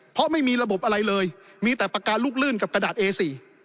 เพราะไม่มีระบบอะไรเลยมีแต่ปากการลูกลื่นกับกระดาษเอสี่